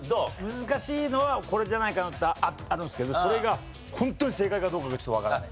難しいのはこれじゃないかなってあるんですけどそれがホントに正解かどうかがちょっとわからない。